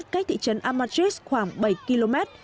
cách thị trấn amatrice khoảng bảy km